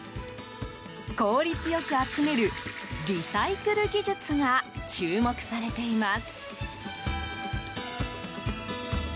効率よく集めるリサイクル技術が注目されています。